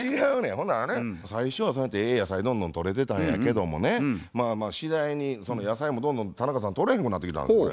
ほんならね最初はそうやってええ野菜どんどんとれてたんやけどもねまあまあ次第に野菜もどんどん田中さんとれへんくなってきたんですこれ。